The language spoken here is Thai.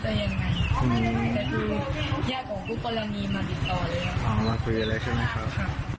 แต่พี่แยกของครูกรณีมาติดต่อเลยครับ